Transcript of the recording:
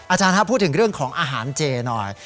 อาจารย์ครับพูดถึงเรื่องของอาหารเจหน่อย